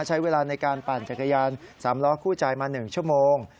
ใช้เวลาในการปั่นจักรยาน๓ล้อคู่ใจมา๑ชั่วโมง